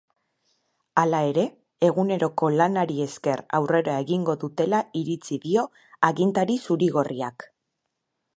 Hala ere, eguneroko lanari esker aurrera egingo dutela iritzi dio agintari zuri-gorriak.